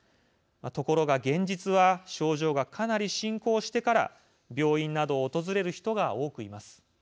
ところが、現実は症状がかなり進行してから病院などを訪れる人が多くいます。